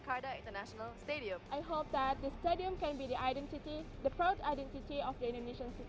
karena indonesia telah memiliki stadion berstandar internasional